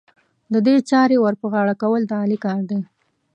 د دې چارې ور پر غاړه کول، د علي کار دی.